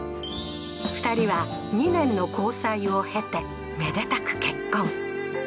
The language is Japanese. ２人は２年の交際を経て、めでたく結婚。